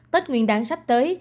tết nguyên đáng sắp tới